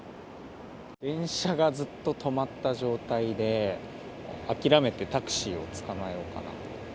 電車がずっと止まった状態で、諦めてタクシーを捕まえようかなと。